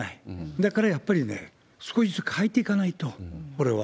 だから、やっぱり少しずつ変えていかないと、これは。